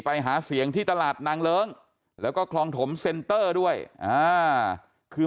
ไปหาเสียงที่ตลาดนางเลิ้งแล้วก็คลองถมเซ็นเตอร์ด้วยอ่าคือ